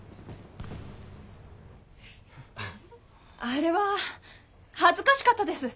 あれは恥ずかしかったです。